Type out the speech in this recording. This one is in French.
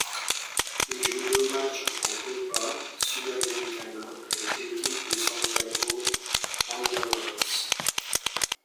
Il joue deux matchs en Copa Sudamericana avec l'équipe des Santiago Wanderers.